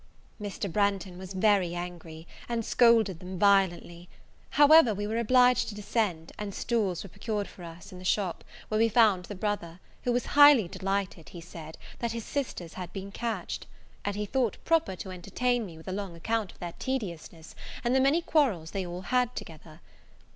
Mr. Branghton was very angry, and scolded them violently: however, we were obliged to descend, and stools were procured for us in the shop, where we found the brother, who was highly delighted, he said, that his sisters had been catched; and he thought proper to entertain me with a long account of their tediousness, and the many quarrels they all had together.